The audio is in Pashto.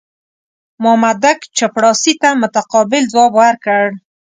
مامدک چپړاسي ته متقابل ځواب ورکړ.